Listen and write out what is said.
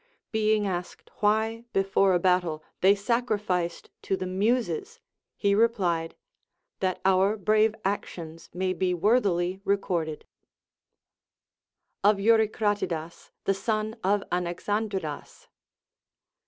Being asked why before a battle they sacrificed to the Muses, he replied. That our brave actions may be worthily recorded. 410 LACONIC APOPHTHEGMS. Of Eurycratidas the Son of Anaxandridas.